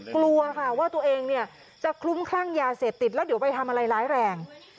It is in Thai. กลัวค่ะว่าตัวเองเนี่ยจะคลุ้มคลั่งยาเสพติดแล้วเดี๋ยวไปทำอะไรร้ายแรง